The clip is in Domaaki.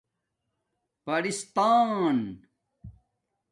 پرستان